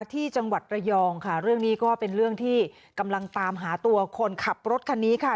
ที่จังหวัดระยองค่ะเรื่องนี้ก็เป็นเรื่องที่กำลังตามหาตัวคนขับรถคันนี้ค่ะ